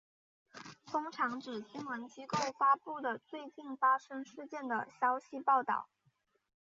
通常指新闻机构发布的最近发生事件的消息报道。